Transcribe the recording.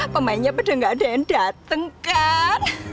pemainnya pada gak ada yang dateng kan